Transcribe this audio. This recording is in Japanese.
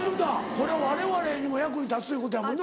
これわれわれにも役に立つということやもんな。